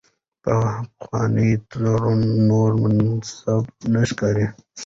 پخوانی تړون نور مناسب نه ښکاري.